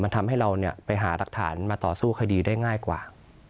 มันทำให้เราไปหารักฐานมาต่อสู้คดีได้ง่ายกว่า